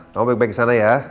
kamu baik baik sana ya